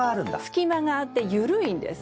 隙間があってゆるいんです。